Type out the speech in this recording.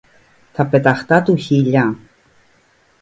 Τα πεταχτά του χείλια;